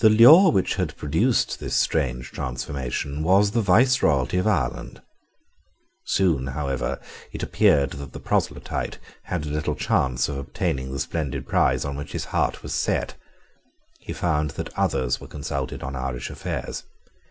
The lure which had produced this strange transformation was the Viceroyalty of Ireland. Soon, however, it appeared that the proselyte had little chance of obtaining the splendid prize on which his heart was set. He found that others were consulted on Irish affairs.